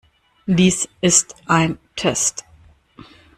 Dies ist ein Test.